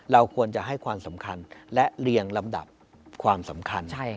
เราควรจะให้ความสำคัญและเรียงลำดับความสำคัญ